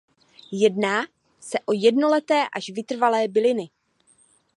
Jedná se jednoleté až vytrvalé byliny.